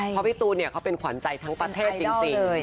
เพราะพี่ตูนเขาเป็นขวัญใจทั้งประเทศจริง